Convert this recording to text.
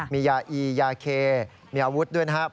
มียาอียาเคมีอาวุธด้วยนะครับ